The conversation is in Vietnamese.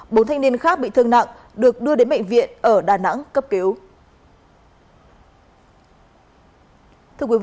bốn thanh niên khác bị thương nặng được đưa đến bệnh viện ở đà nẵng cấp cứu